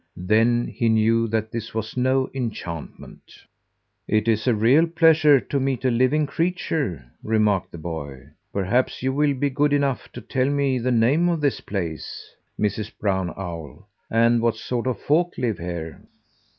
Then he knew that this was no enchantment. "It is a real pleasure to meet a living creature," remarked the boy. "Perhaps you will be good enough to tell me the name of this place, Mrs. Brown Owl, and what sort of folk live here."